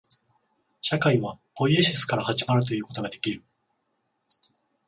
社会はポイエシスから始まるということができる。